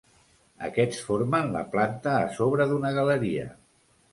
Aquests formen la planta a sobre d'una galeria.